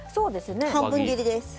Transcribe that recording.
半分切りです。